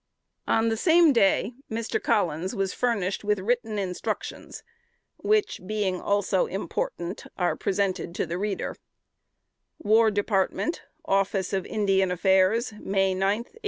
On the same day, Mr. Collins was furnished with written instructions, which, being also important, are presented to the reader: "WAR DEPARTMENT, "Office of Indian Affairs, May 9, 1838.